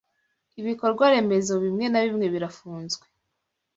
Ibikorwa remezo bimwe na bimwe birafunzwe